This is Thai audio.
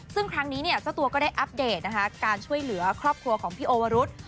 ซึ่งครั้งนี้เนี่ยเจ้าตัวก็ได้อัปเดตนะคะการช่วยเหลือครอบครัวของพี่โอวรุษ